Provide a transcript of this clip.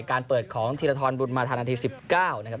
การเปิดของธีรธรรมบุญมาธรรมนัดที่๑๙นะครับ